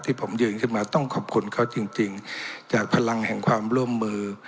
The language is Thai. ที่ผมยืนขึ้นมาต้องขอบคุณเขาจริงจริงจากพลังแห่งความร่วมมือ